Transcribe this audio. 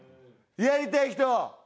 やりたい人？